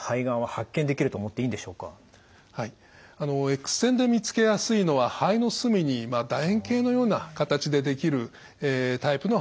エックス線で見つけやすいのは肺の隅にだ円形のような形でできるタイプの肺がんです。